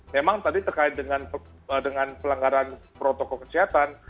memang tadi terkait dengan pelanggaran protokol kesehatan